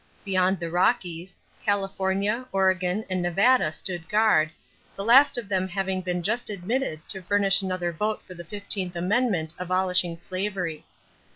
Beyond the Rockies, California, Oregon, and Nevada stood guard, the last of them having been just admitted to furnish another vote for the fifteenth amendment abolishing slavery.